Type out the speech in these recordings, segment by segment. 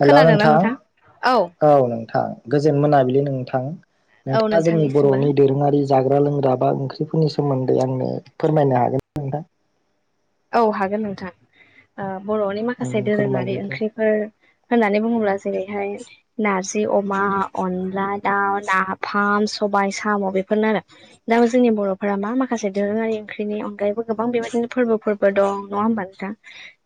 हेल' नोंथां औ नोंथां गोजोन मोनाबिलि नोंथां औ नोंथाङा जोंनि नोंथांनिसिमबो बर'नि दोरोङारि जाग्रा लोंग्रा बा ओंख्रिफोरनि सोमोन्दै आंनो फोरमायनो हागोन ना नोंथां? औ हागोन नोंथां ओह बर'नि माखासे उम दोरोङारि फोरमायदो दे ओंख्रिफोर होननानै बुङोब्ला जेरैहाय नारजि अमा अनला दाउ नाफाम सब सबाय साम' बेफोरनो आरो दा जोंनि बर'फोरा मा माखासे दोरोङारि ओंख्रिनि अनगायैबो गोबां बेबायदिनो फोरबोफोरबो दं नङा होमबा नोंथा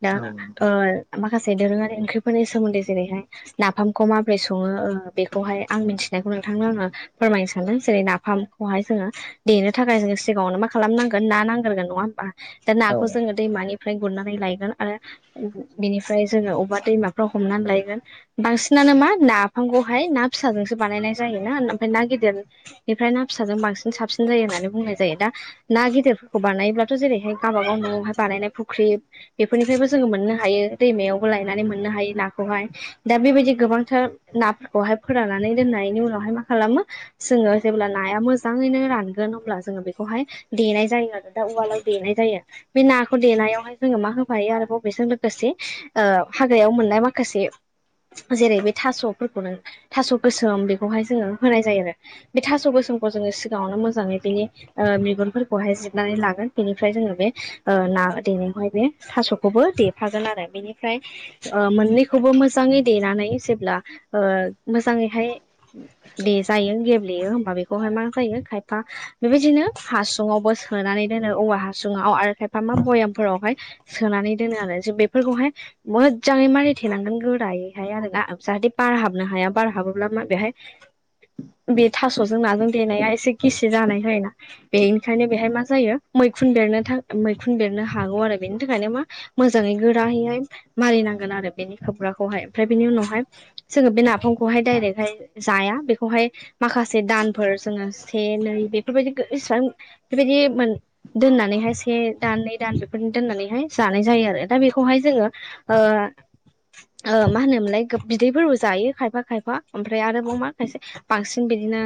दा औ नोंथां ओह माख माखासे दोरोङारि ओंख्रिफोरनि सोमोन्दै जेरैहाय नाफामखौ माबोरै सङो ओह बेखौहाय आं मिथिनायखौ नोंथांनो आङो फोरमायनो सानदों जेरै नाफामखौहाय जोङो देनो थाखाय जोङो सिगाङावनो मा खालामनांगोन ना नांग्रोगोन नङा होमबा औ बेखौ जोङो दैमानि फ्राय गुरनानै लायगोन आरो बिनिफ्राय जोङो अबेबा दैमाफ्राव हमनानै लायगोन बांसिनानो नानो मा नाफामखौहाय ना फिसाजोंसो बानायनाय जायो ना ओमफ्राय ना गिदिरनिफ्राय ना फिसाजों बांसिन सिन साबसिन जायो होननानै बुंनाय जायो दा ना गिदिरफोरखौ बानायोब्लाथ' जेरैहाय गावबागाव न' न'आवहाय बानायनाय फुख्रि बेफोरनिफ्रायबो जोङो मोननो हायो दैमायावबो लायनानै मोननो हायो नाखौहाय दा बेबायदि गोबांथार नाफोरखौहाय फोराननानै दोननायनि उनावहाय मा खालामो जोङो जेब्ला नाया मोजाङैनो रानगोन अब्ला जोङो बेखौहाय देनाय जायो आरो दा उवालाव देनाय जायो बे नाखौ देनायावहाय जोङो मा होफायो आरोबाव बेजों लोगोसे ओह हाग्रायाव मोननाय माखासे जेरै बे थास'फोरखौनो थास' गोसोम बेखौहाय जोङो होनाय जायो आरो बे थास' गोसोम सोमखौ जोङो सिगाङावनो मोजाङै बेनि बिगुरफोरखौहाय जिरनानै लागोन बेनिफ्राय जोङो बे ओह ना देनायावहाय बे थास'खौबो देफागोन आरो बेनिफ्राय ओह मोननैखौबो मोजाङै देनानै जेब्ला ओह मोजाङैहाय देजायो गेब ब्लेयो होमबा बेखौहाय मा जायो खायफा बेबायदिनो हासुुंआवबो सोनानै दोनो औवा हासुङाव आरो खायफा मा बयामफोरावहाय सोनानै दोनो आरो जों बेफोरखौहाय मोजाङै मारिथेनांगोन गो गोरायैहाय आरोना जाहाथे बार हाबनो हाया बार हाबोब्ला मा बेहाय बे थास'जों नाजों देनाया एसे गिसि जानाय जायोना बेनिखायनो बेहाय मा जायो मै -खुन बेरनो थाङ मैखुन बेरनो हागौ आरो बेनि थाखायनो मा मोजाङै गोरायैहाय मारिनांगोन आरो बेनि खोबग्रा ग्राखौहाय ओमफ्राय बिनि उनावहाय जोङो बे नाफामखौहाय दाइरेकहाय जाया बेखौहाय माखासे दानफोर जोङो से-नै बेफोरबायदि गो-इसेबां बेबायदि मोन दोननानैहाय से दान नै दान बेफोरनि दोननानैहाय जानाय जायो आरो दा बेखौहाय जोङो ओह ओ मा होनोमोनलाय बिदैबो जायो खायफा खायफा ओमफ्राय आरोबाव मा खायसे बांसिन बिदिनो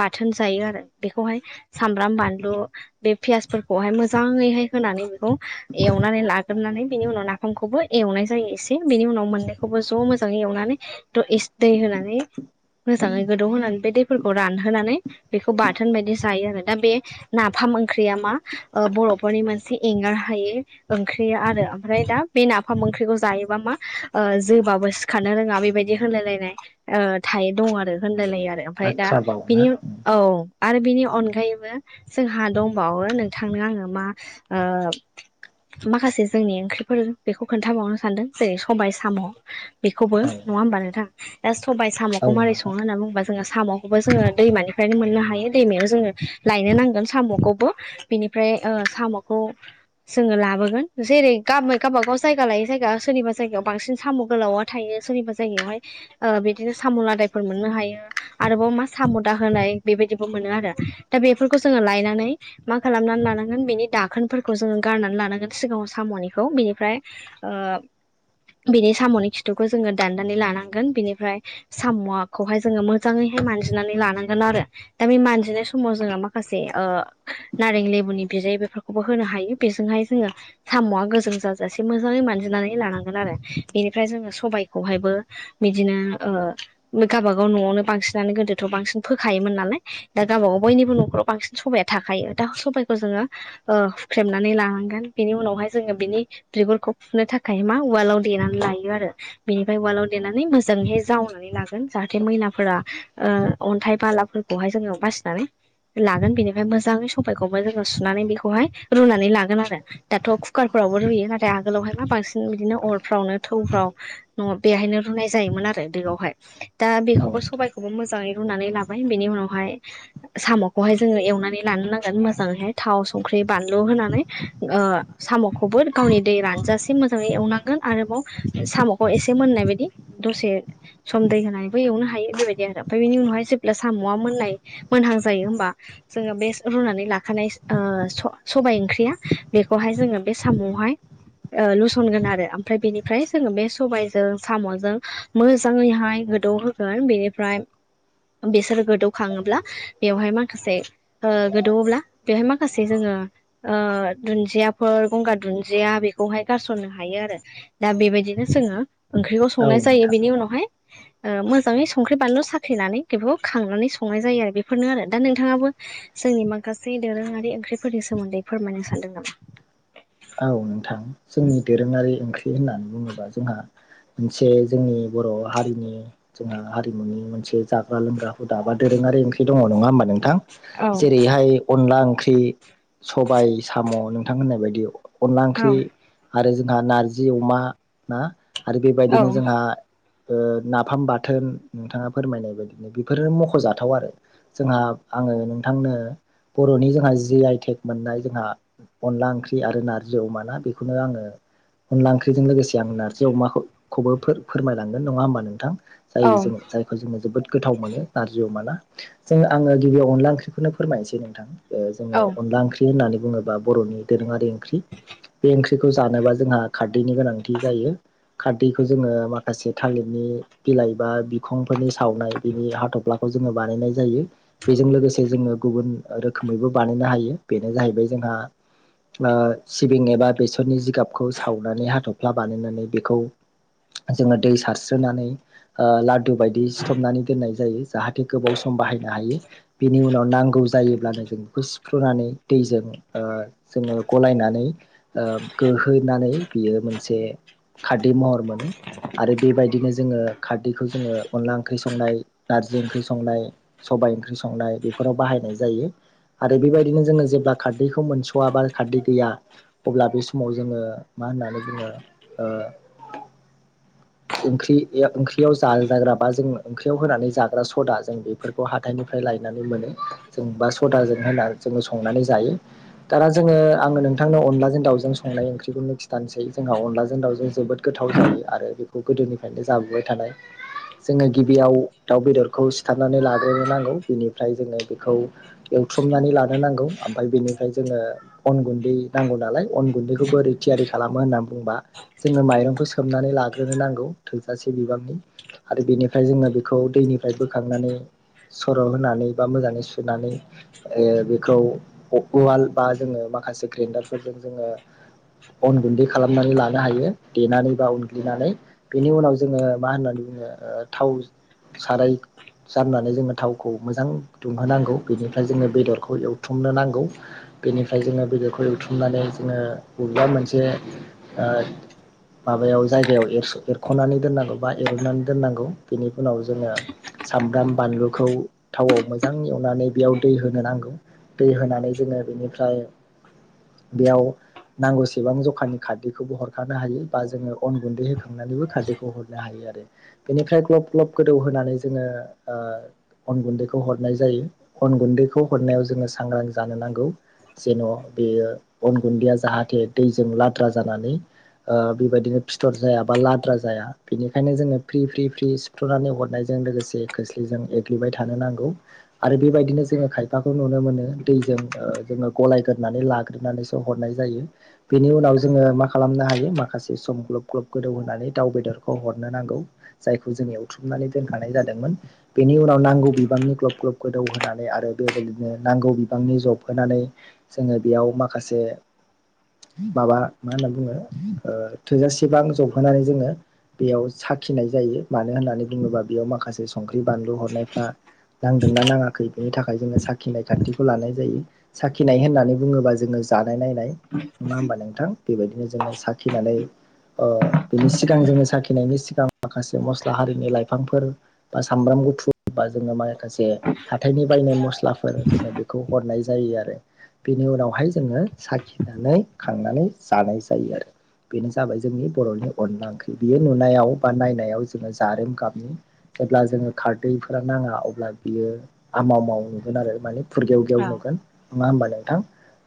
बाथोन जायो आरो बेखौहाय सामब्राम बानलु बे पियासफोरखौहाय मो -जाङैहाय होनानै बेखौ एवनानै लागोरनानै बिनि उनाव नाफामखौबो एवनाय जायो एसे बेनि उनाव मोननैखौबो ज मोजाङै एवनानै द एस दै होनानै मोजाङै गोदौहोनानै बे दैफोरखौ रानहोनानै बेखौ बाथोन बायदि जायो आरो दा बे नाफाम ओंख्रिया मा ओ बर'फोरनि मोनसे एंगार हायै ओंख्रि आरो ओमफ्राय दा बे नाफाम ओंख्रिखौ जायोबा मा ओ जोबाबो सिखारनो रोङा बेबायदि होनायलायनाय ओ थायो दं आरो होन लाय -लायो आरो ओमफ्राय दा बाथ्रा बाव ना बिनि औ। आरो बिनि अनगायैबो जोंहा दंबावो नोंथांनो आङो मा ओ माखासे जोंनि ओंख्रिफोर बेखौ खोन्थाबावनो सानदों जेरै सबाय साम' बेखौबो औ नङा होमबा नोंथां ओ औ साम'खौ मारै सङो नोंथां होनना बुंबा जोङो साम'खौबो जोङो दैमानिफ्रायनो मोननो हायो दैमायाव जोङो लायनो नांगोन साम'खौबो। बेनिफ्राय ओ साम'खौ जोङो लाबोगोन जेरै गा गावबागाव जायगा लायो जायगा सोरनिबा जायगायाव बांसिन साम' गोलावा थायो सोरनिबा जायगायावहाय ओ बिदिनो साम लादायफोर मोननो हायो आरोबाव मा साम दाहोनाय बेबायदिबो मोनो आरो दा बेफोरखौ जोङो लायनानै मा खालामनानै लानांगोन बिनि दाखोनफोरखौ जोङो गारनानै लानांगोन सिगाङाव साम'निखौ बिनिफ्राय ओब बिनि साम'नि खिथुखौ जोङो दाननानै लानांगोन बिनिफ्राय साम'आखौहाय जोङो मोजाङै हाय मानजिनानै लानांगोन आरो दा बे मानजिनाय समाव जोङो माखासे ओ नारें लेबुनि बिदै बेफोरखौबो होनो हायो बेजोंहाय जोङो साम'आ गोजों जाजासे मोजाङै मानजि नानै लानांगोन आरो इनिफ्राय जोङो सबायखौहायबो बिदिनो ओ गाबागाव नआवनो बांसिनानो गोदोथ बांसिन फोखायोमोन नालाय दा गावबागाव बयनिबो नखराव बांसिन सबाया थाखायो दा सबायखौ जोङो हुख्रेमनानै लानांगोन बेनि उनावहाय जोङो बिनि बिगुरखौ फुनो था खाय मा उवालाव देनानै लायो आरो बेनिफाय उवालाव देनानै मोजाङैहाय जावनानै लाागोन जाहाथे मै लाफोरा ओ अनथाइ बालाफोरखौहाय जोङो बासिनानै लागोन बिनिफाय मोजाङै सु सबायखौबो जोङो सुनानै बेखौहाय रुनानै लागोन आरो दाथ' कुकार फोरावबो रुयो नाथाय आगोलावहाय मा बा बांसिन बिदिनो अरफ्रावनो थौफ्राव न बेहायनो रुनाय जायोमोन आरो दोआवहाय दा औ बेखौबो नोंथां सबायखौबो मोजाङै रुनानै लाबाय बेनि उनावहाय साम'खौहाय जोङो एवनानै लानो नां गोन मोजाङैहाय थाव संख्रि बानलु होनानै ओ साम'खौबो गावनि दै रानजासेम मोजाङै एवनांगोन आरोबाव साम'खौ एसे मोननाय बायदि दसे सम दै होनानै बै एव हायो बेबायदि आरो ओमफाय बेनि उनावहाय जेब्ला साम'आ मोननाय मोनहां जायो होमबा जोङो बे रुनानै लाखानाय ओ स-सबाय ओंख्रिया बेखौहाय जोङो बे साम'आवहाय ओ लुसनगोन आरो ओमफ्राय बेनिफ्राय जोङो बे सबायजों साम'जों मोजाङैहाय गोदौ होगोन बेनिफ्राय बिसोर गोदौखाङोब्ला बेवहाय माखासे ओ गोदौओब्ला बेवहाय माखासे जोङो ओ दुनजियाफोर गंगार दुनजिया बे -खौहाय गारसननो हायो आरो दा बेबायदिनो जोङो ओंख्रिखौ औ संनाय जायो नोंथां बेनि उनावहाय ओ मोजाङै संख्रि बानलु साख्रिनानै बेफोरखौ खांनानै संनाय जायो आरो बेफोरनो आरो दा नोंथाङाबो जोंनि माखासे दोरोङारि ओंख्रिफोरनि सोमोन्दै फोरमायनो सानदों नामा? औ नोंथां जोंनि दोरोङारि ओंख्रि होननानै बुङोब्ला जोंहा मोनसे जोंनि बर' हारिनि जोंहा हारिमुनि मोनसे जाग्रा लोंग्रा हुदा बा दोरों रोङारि ओंख्रि दङ नङा होमबा नोंं थां औ जेरैहाय अनला ओंख्रि सबाय साम' नोंथां होननाय बायदि अनला औ ओंख्रि आरो जोंहा नारजि अमा ना आरो औ बेबायदिनो जोंहा नाफाम बाथोन नोंथाङा फोरमायनाय बायदिनो बेफोरनो मखजाथाव आरो। जोंहा आङो नोंथांनो बर'नि जोंहा जि आइटेक मोननाय जोंहा अनला ओंख्रि आरो ना जि अमा ना बेखौनो आङो अनला ओंख्रिजों लोगोसे आं नारजि अमाखौबो फोरमायलांगोन नङा होमबा नोंथां। जायो औ जोङो जायखौ जोङो जोबोद गोथाव मोनो नारजि अमाना जोंङो आङो गिबियाव अनला ओंख्रिफोरनो फोरमायनोसै नोंथां। जोङो औ अनला ओंख्रि होननानै बुङोब्ला बर'नि दोरोङारि ओंख्रि। बे ओंख्रिखौ जानोबा जोंहा खारदैनि गोनांथि जायो खारदैखौ जोङो माखासे थालिरनि बिलाइ बा बिखंफोरनि सावनाय बिनि हाथफ्लाखौ जोङो बानायनाय जायो। बेजों लोगोसे जों जोङो गुबुन रोखोमैबो बानायनो हायो बेनो जाहैबाय जोंहा सिबिं एबा बेसरनि जिगाबखौ सावनानै हाथ'फ्ला बानायनानै बेखौ जोङो दै सारस्रोनानै लादु बायदि सिथबनानै दोननाय जायो जाहाथे गोबाव सम बाहायनो हायो बेनि उनाव नांगौ जायोब्लानो जों बेखौ सिफ्रुनानै दैजों जोङो गलायनानै गोहोनानै बियो मोनसे खारै महर मोनो आरो बेबायदिनो जोङो खारदैखौ जोङो अनला ओंख्रि संनाय ना नारजि ओंख्रि संनाय सबाइ ओंख्रि संनाय बेफोराव बाहायनाय जायो। आरो बेबायदिनो जोङो जेब्ला खारदैखौ मोनस'वाबा खारदै गैया अब्ला बे समाव जोङो मा होननानै बुङो ओंख्रि-ओंख्रियाव जाजाग्रा बा जों ओंख्रियाव होनानै जाग्रा सदा जों बेफोरखौ हाथाइनिफ्राय लायनानैबो मोने जों सदाजों संनानैबो जायो दाना जोङो आ नोंथांनो अनलाजों दाउजों संनाय ओंख्रिखौनो खिथानोसै जोंहा अनलाजों दावउजों जोबोद गोथाव जायो। आरो बेखौ गोदोनिफ्रायनो जाबोबाय थानाय। जोङो गिबियाव दाउ बेदरखौ सिथारनानै लाग्रो नांगौ बेनिफ्राय जोङो बेखौ एवथ्रमनानै लानो नांगौ ओमफफ्राय बेनिफ्राय जोङो अन गुन्दै नांगौ नालाय अन गुन्दैखौबो ओरै थियारि खालामो होननानै बुंबा जोङो माइरंखौ सोमनानै लाग्रोनो नांगौ थोजासे बिबांनि आरो बेनिफ्राय जोङो बेखौ दैनिफ्राय बोखांनानै सर' होनानै बा मोजाङै सुनानै बेखौ उवाल बा जोङो माखासे ग्रेन्डारफोरजों जोङो अन गुन्दै खालामनानै लानो हायो देनानै बा उनग्लिनानै बेनि उनाव जोङो मा होननानै बु थाव साराय जाननानै जोङो थावखौ मोजां दुंहोनांगौ बेनिफ्राय जोङो बेदरखौ एवथ्रमनो नांगौ। बेनिफ्राय जोङो बेदरखौ एवथ्रमनानै जोङो बबेबा मोनसे माबायाव जायगायाव एरख'नानै दोननांगौ बा एरननानै दोननांगौ बेनि उनाव जोङो। सामब्राम बानलुखौ थावआव मोजां एवनानै बेयाव दै होनो नांगौ। दै होनानै जोङो बेनिफ्राय बेयाव नांगौसेबां जखानि खारदैखौबो हरखानो हायो बा जोङो अन गुन्दै होखांनानैबो खारदैखौ हरनो हायो। आरो बेनिफ्रायाय ग्लब-ग्लब गोदौ होनानै जोङो अन गुन्दैखौ हरनाय जायो। अन गुन्दैखौ हरनायाव जोङो सांग्रां जानो नांगौ जेन' बेयो अन गुन्दैया जाहाथे दैजों लाद्रा जानानै बेबायदिनो फिथर जाया बा लाद्रा जाया बेनिखायनो जोङो फ्रि- फ्रि- फ्रि सिफ्रुनानै हरनाय जायो। लोगोसे खोस्लिजों एग्लिबाय थानो नांगौ आरो बेबायनो जोङो खायफाखौ नुनो मोनो दैजों जोङो गलायगोरनानै ला लानानैसो हरनाय जायो बेनि उनाव जोङो मा खालामनो हायो माखासे सम ग्लब-ग्लब गोदौ होननानै। दाउ बेदरखौ हरनो नांगौ जायखौ जों एवथ्रुमनानै दोनखानाय जादोंमोन बेनि उनाव नांगौ बिबांनि ग्लब-ग्लब गोदौ होनानै आरो बेबायदिनो नांगौ बिबांनि जब होनानै जोङो। बेयाव माखासे माबा मा होनना बुङो थोजासेबां जबहोनानै जोङो। बेयाव साखिनाय जायो मानो होननानै बुङोबा बेयाव माखासे संख्रि बानलु हरनायफ्रा नांदोंना नाङाखै बेनि थाखाय जोङो साखिनाय खान्थिखौ लानाय जायो साखिनाय होननानै बुङोबा जोङो जानाय नायनाय नङा होमबा नोंथां बेबायदिनो जोङो साखिनानै बिनि सिगां जोङो साखिनायनि सिगां माखासे मस्ला हारिनि लाइफांफोर बा सामब्राम गुफुर बा जोङो माखासे हाथायनि बायनाय मस्लाफोर जोङो बेखौ हरनाय जायो आरो बेनि उनावहाय जोङो साखिनानै खांनानै जानाय जायो आरो बेनो जाबाय जोंनि बर'नि अनला ओंख्रि बियो नुनायाव बा नायनायाव जोंङो जारोम गाबनि जेब्ला जोंङो खारदैफोरा नाङा अब्ला बियो आमाव माव नुगोन आरो माने फुरगेवगेव औ नुगोन नंङा होमबा नोंथां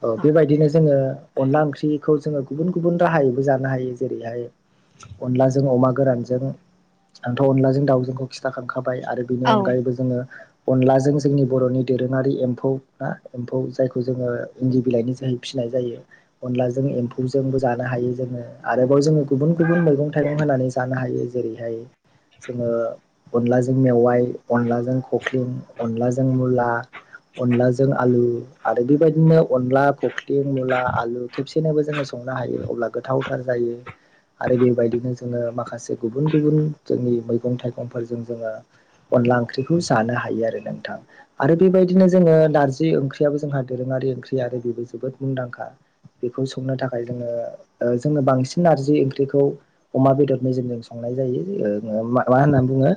औ बेबायदिनो जोङो अनला ओंख्रिखौ जोंङो गुबुन गुबुन राहायैबो जानो हायो जेरैहाय अनलाजों अमा गोरानजों आंथ' अनलाजों दाउजोंखौ खिनथा खा थाबाय आरो बेनि औ अनगायैबो जोंङो अनलाजों जोंनि बर'नि दोरोंङारि एम्फौ ना एम्फौ जाय खौ जोंङो इन्दि बिलाइ जाय फिनाय जायोजों अनलाजों एम्फौजोंबो जानो हायो जोङो जों गुबुन गुबुन मैगं-थाइगं होनानै जानो हायो जेरैहाय जोंङो अनलाजों मेवाइ अनलाजों खखलिं अनलाजों मुला अनलाजों आलु आरो बेबायदिनो अनला, खखिलिं, मुला, आलु खेबसेनोबो जोंङो संनो हायो अब्ला गोथावथार जायो। बि आरो बेबायदिनो जोंङो माखासे गुबुन गुबुन जोंनि मैगं-थाइगंफोरजों जोंङो अनला ओंख्रिखौ जानो हायो आरो नोंथां आरो बेबायदिनो जोंङो नारजि ओंख्रि ओंख्रियाबो जोंहा दोरोंङारि ओंख्रि आरो बेबो जोबोद मुंदांखा बेखौ संनो थाखाय जोंङो ओ जोंङो बांसिन नारजि ओंख्रिखौ अमा बेदर मेजेमजों संनाय जायो ओ होन बुंङो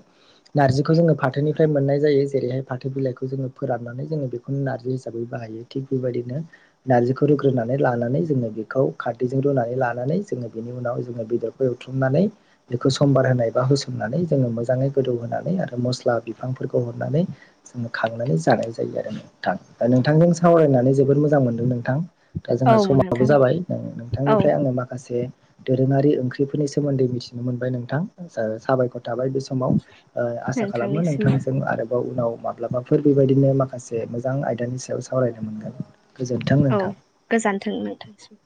नारजि फाथोनिफाय मोननाय जायो जेरैहाय फाथो बिलाइ खौ जोंङो फोराननानै जोंङो बेखौ नारजि सै बाहायो थिग बेबायदिनो नारजिखौ रुग्रोनानै लानानै जोंङो बेखौ खारदैजों रुनानै ला नानै बिनि उनाव जरखौ एवथुमनानै बेखौ सम्बार होनाय बा होसनानै जों मोजां गोदौ होनानै आरो मस्ला बिफांफोरखौ हरनानै जोंङो खांनानै जानाय जायो आरो नोंथां। दा नोंथांजों सावरायनानै जोबोद मोजां मोनदों नोंथां। दा औ जोंहा समाबो नोंथां जाबाय औ नोंथांनिफ्राय आंङो माखासे दोरोंङारि ओंख्रिफोरनि सोमोन्दै मिथिनो मोनबाय नोंथां साबायखर थाबाय बे समाव ओ आसा खालामो नोंथांनिसिमबो नोंथांजों आरोबाव उनाव माब्लाबाफोर बेबायदिनो माखासे मोजां आयदानि सायाव सावरायनो मोनगोन गोजोन्थों औ नोंथां। गोजानथों मोनथांसिम।